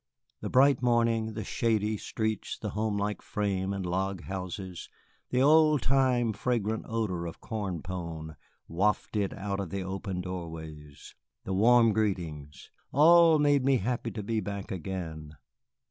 The bright morning, the shady streets, the homelike frame and log houses, the old time fragrant odor of corn pone wafted out of the open doorways, the warm greetings, all made me happy to be back again.